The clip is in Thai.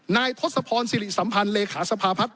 ทศพรสิริสัมพันธ์เลขาสภาพัฒ